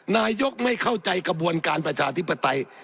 นายกไม่เข้าใจกระบวนการประชาธิปไตย